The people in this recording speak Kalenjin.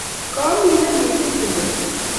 Koominen mising chumbek